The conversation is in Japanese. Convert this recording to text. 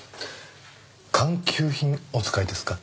官給品お使いですか？